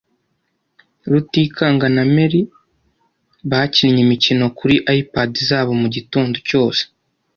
Rutikanga na Mary bakinnye imikino kuri iPad zabo mugitondo cyose.